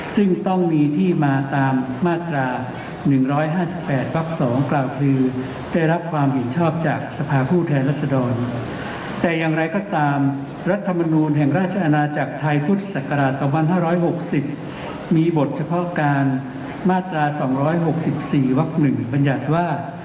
ซึ่งต้องมีที่มาตามมาตรา๑๕๘วัก๒กล่าวคือได้รับความเห็นชอบจากสภาพผู้แทนรัศดรแต่อย่างไรก็ตามรัฐมนูลแห่งราชอาณาจักรไทยพุทธศักราช๒๕๖๐มีบทเฉพาะการมาตรา๒๖๔วัก๑บัญญัติว่า